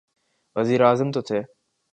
وزیراعظم تو تھے۔